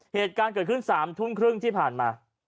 เหตุการณ์เกิดขึ้น๓ทุ่มครึ่งที่ผ่านมา